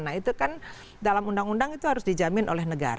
nah itu kan dalam undang undang itu harus dijamin oleh negara